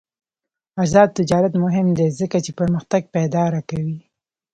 آزاد تجارت مهم دی ځکه چې پرمختګ پایداره کوي.